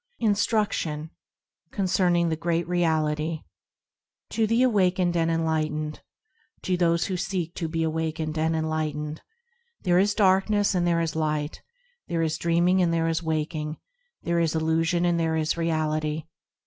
Instruction, concerning The Great Reality TO the awakened and enlightened, To those who seek to be awakened and enlightened,– There is darkness and there is Light ; There is dreaming and there is Waking ; There is illusion and there is Reality.